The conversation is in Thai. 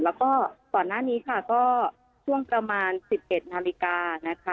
แล้วก็ก่อนหน้านี้ค่ะก็ช่วงประมาณ๑๑นาฬิกานะคะ